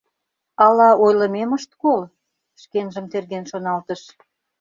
«Ала ойлымем ышт кол? — шкенжым терген шоналтыш.